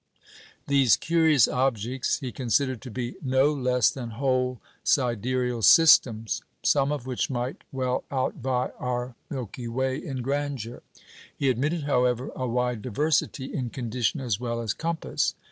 " "These curious objects" he considered to be "no less than whole sidereal systems," some of which might "well outvie our Milky Way in grandeur." He admitted, however, a wide diversity in condition as well as compass.